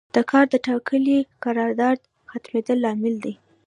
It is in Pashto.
د کار د ټاکلي قرارداد ختمیدل لامل دی.